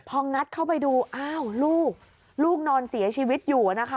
พองัดเข้าไปดูอ้าวลูกลูกนอนเสียชีวิตอยู่นะคะ